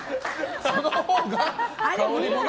そのほうが香りもね。